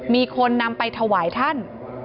มีคนนำไปถวายท่าน